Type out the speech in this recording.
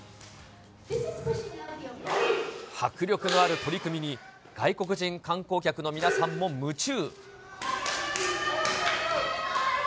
迫力のある取組に外国人観光客の皆さんも夢中。